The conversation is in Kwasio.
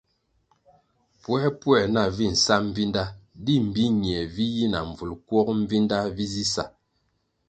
Puēpuē nah vi nsa mbvinda di mbpi nie vi yi na mbvul kwog Mbvinda vi zi sa ?